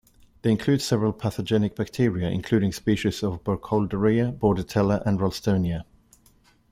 They include several pathogenic bacteria, including species of "Burkholderia", "Bordetella", and "Ralstonia".